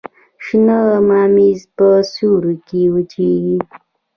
شنه ممیز په سیوري کې وچیږي.